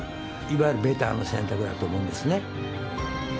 いわゆるベターな選択だと思うんですね。